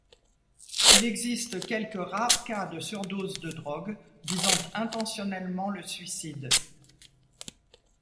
Il existe quelques rares cas de surdose de drogue visant intentionnellement le suicide.